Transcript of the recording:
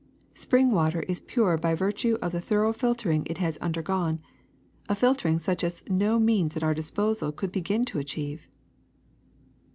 Spring water is pure by virtue of the thorough filtering it has un dergone, a filtering such as no means at our disposal could begin to achieve.